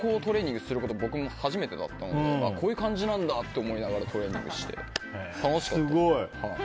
人をトレーニングすること僕も初めてだったのでこういう感じなんだと思いながらトレーニングして。